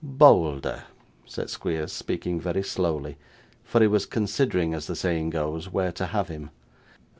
'Bolder,' said Squeers, speaking very slowly, for he was considering, as the saying goes, where to have him.